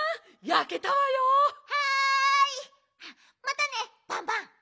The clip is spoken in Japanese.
またねバンバン。